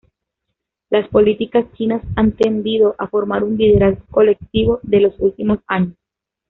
Las políticas chinas han tendido a formar un "liderazgo colectivo", de los últimos años.